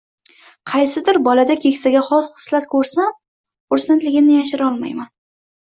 Qaysidir bolada keksaga xos xislat ko’rsam, xursandligimni yashira olmayman.